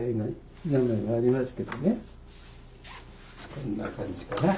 こんな感じかな。